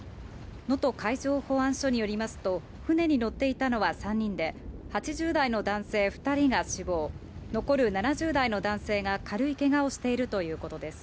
能登海上保安署によりますと、船に乗っていたのは３人で、８０代の男性２人が死亡、残る７０代の男性が軽いけがをしているということです。